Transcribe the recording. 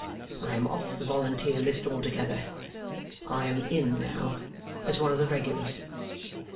I am off the volunteer list altogether. I am in now, as one of the regulars.